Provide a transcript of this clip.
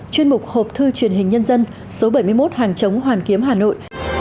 chuyên mục hộp thư truyền hình nhân dân số bảy mươi một hàng chống hoàn kiếm hà nội